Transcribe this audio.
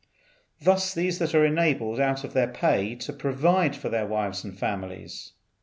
Thus these are enabled out of their pay to provide for their wives and families.